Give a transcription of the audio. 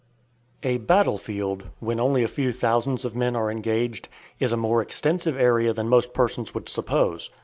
A battle field, when only a few thousands of men are engaged, is a more extensive area than most persons would suppose.